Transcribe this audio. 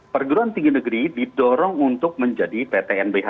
perguruan tinggi negeri didorong untuk menjadi ptnbh